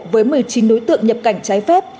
với một mươi chín đối tượng nhập cảnh trái phép